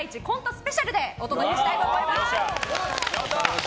スペシャルでお届けしたいと思います。